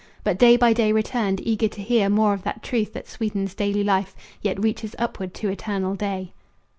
But day by day returned, eager to hear More of that truth that sweetens daily life, Yet reaches upward to eternal day.